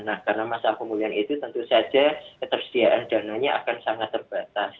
nah karena masa pemulihan itu tentu saja ketersediaan dananya akan sangat terbatas